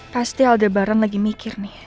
pasti aldebaran lagi mikir nih